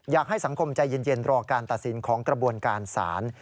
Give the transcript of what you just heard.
อยากให้สังคมใจเย็นรอการตัดสินของกระบวนการศาล